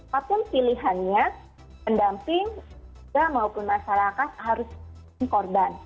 satu pilihannya pendamping dan maupun masyarakat harus mengkorban